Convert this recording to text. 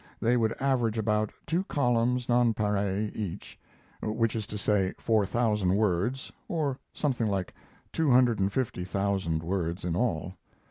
They would average about two columns nonpareil each, which is to say four thousand words, or something like two hundred and fifty thousand words in all.